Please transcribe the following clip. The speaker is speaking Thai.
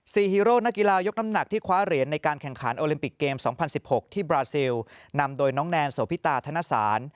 ฮีโร่นักกีฬายกน้ำหนักที่คว้าเหรียญในการแข่งขันโอลิมปิกเกมสองพันสิบหกที่บราซิลนำโดยน้องแนนโสพิตาธนสาร